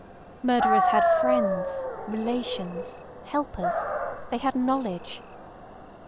Murderers had friends, relations, helpers—they had knowledge.